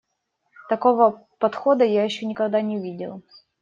Такого подхода я ещё никогда не видел.